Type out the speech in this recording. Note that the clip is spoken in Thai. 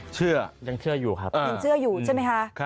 เชื่อยังเชื่ออยู่ครับยังเชื่ออยู่ใช่ไหมคะ